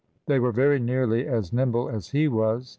They were very nearly as nimble as he was.